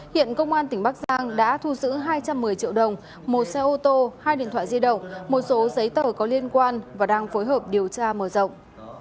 hiện công an tỉnh bắc giang đã thu giữ hai trăm một mươi triệu đồng một xe ô tô hai điện thoại di động một số giấy tờ có liên quan và đang phối hợp điều tra mở rộng